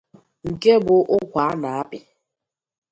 nke bụ na ụkwa a na-apị